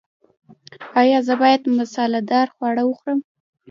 ایا زه باید مساله دار خواړه وخورم؟